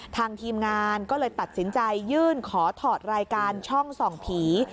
ทีมงานก็เลยตัดสินใจยื่นขอถอดรายการช่องส่องผี